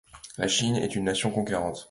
La Chine est une nation conquérante.